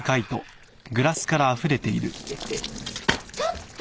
ちょっと！